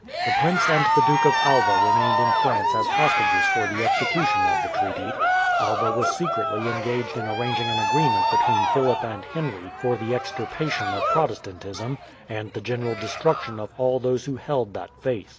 The prince and the Duke of Alva remained in France as hostages for the execution of the treaty. Alva was secretly engaged in arranging an agreement between Philip and Henry for the extirpation of Protestantism, and the general destruction of all those who held that faith.